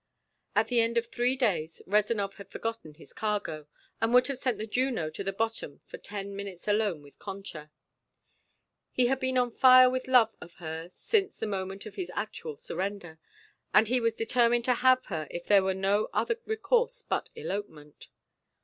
At the end of three days Rezanov had forgotten his cargo, and would have sent the Juno to the bottom for ten minutes alone with Concha. He had been on fire with love of her since the moment of his actual surrender, and he was determined to have her if there were no other recourse but elopement.